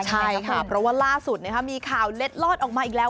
ใช่ค่ะเพราะว่าล่าสุดมีข่าวเล็ดลอดออกมาอีกแล้ว